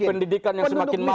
pendidikan yang semakin mahal